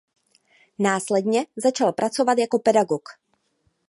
Následně začal pracovat jako pedagog.